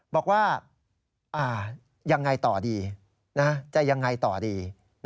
บอกว่าอย่างไรต่อดีจะอย่างไรต่อดี